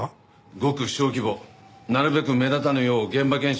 ごく小規模なるべく目立たぬよう現場検証